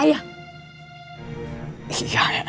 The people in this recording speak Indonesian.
tidak mungkin kita